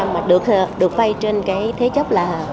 mà được vay trên cái thế chấp là